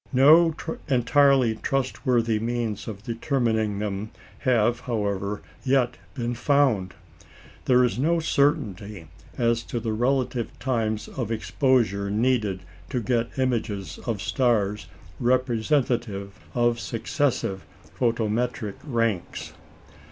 No entirely trustworthy means of determining them have, however, yet been found. There is no certainty as to the relative times of exposure needed to get images of stars representative of successive photometric ranks.